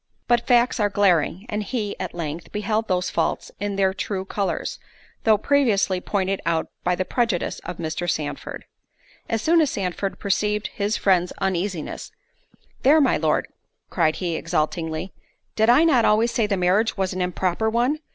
But facts are glaring; and he, at length, beheld those faults in their true colours, though previously pointed out by the prejudice of Mr. Sandford. As soon as Sandford perceived his friend's uneasiness, "There, my Lord!" cried he, exultingly, "did I not always say the marriage was an improper one?